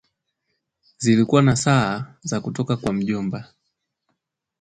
Zilikuwa nasaha kutoka kwa mjomba